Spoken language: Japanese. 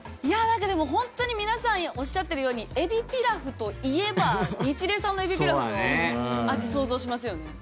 本当に、皆さんおっしゃっているようにえびピラフといえばニチレイさんのえびピラフの味想像しますよね。